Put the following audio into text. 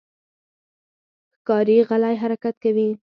ښکاري غلی حرکت کوي.